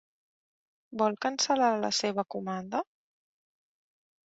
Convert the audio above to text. Vol cancel·lar la seva comanda?